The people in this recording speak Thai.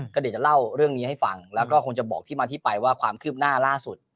ก็เดี๋ยวจะเล่าเรื่องนี้ให้ฟังแล้วก็คงจะบอกที่มาที่ไปว่าความคืบหน้าล่าสุด